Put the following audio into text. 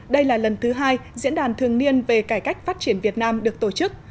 đây là lần thứ hai diễn đàn thường niên về cải cách phát triển việt nam được tổ chức